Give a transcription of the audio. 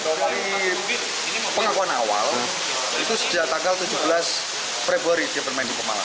dari pengakuan awal itu sejak tanggal tujuh belas februari siapa yang main di pemalang